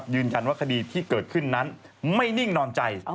ยืนยันว่าคดีที่เกิดขึ้นนั้นไม่นิ่งนอนใจ